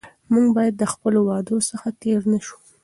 موږ باید له خپلو وعدو څخه تېر نه شو.